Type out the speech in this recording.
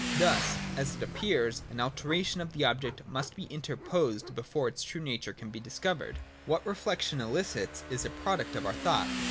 Thus, as it appears, an alteration of the object must be interposed before its true nature can be discovered, What reflection elicits, is a product of our thought.